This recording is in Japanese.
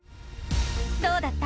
どうだった？